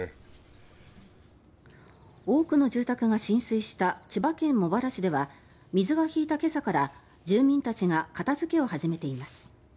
多くの住宅が浸水した千葉県茂原市では水が引いた今朝から住民たちが片付けを始めています。